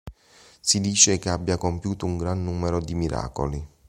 Si dice che abbia compiuto un gran numero di miracoli.